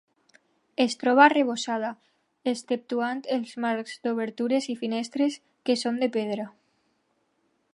Es troba arrebossada, exceptuant els marcs d'obertures i finestres, que són de pedra.